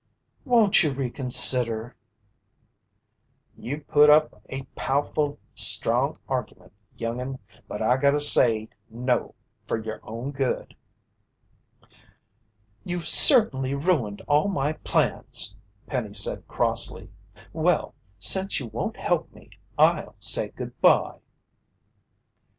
"Won't you reconsider?" "You put up a powe'ful strong argument, young'un, but I gotta say no fer yer own good." "You've certainly ruined all my plans," Penny said crossly. "Well, since you won't help me, I'll say goodbye."